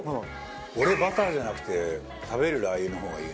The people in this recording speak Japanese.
俺バターじゃなくて食べるラー油の方がいいな。